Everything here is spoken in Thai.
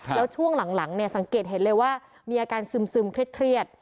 แล้วช่วงหลังเนี่ยสังเกตเห็นเลยว่ามีอาการซึมเครียด